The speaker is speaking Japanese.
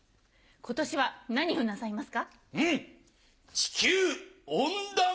今年は何をなさいますか？